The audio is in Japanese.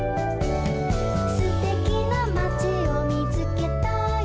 「すてきなまちをみつけたよ」